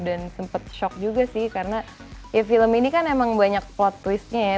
dan sempet shock juga sih karena ya film ini kan emang banyak plot twistnya ya